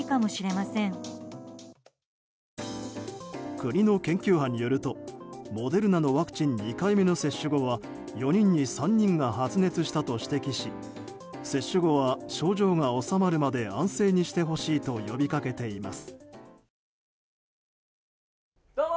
国の研究班によるとモデルナのワクチン２回目の接種後は４人に３人が発熱したと指摘し接種後は症状が治まるまで安静にしてほしいと呼びかけています。